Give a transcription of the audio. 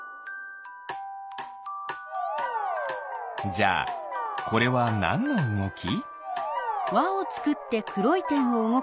じゃあこれはなんのうごき？